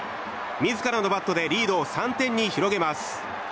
自らのバットでリードを３点に広げます。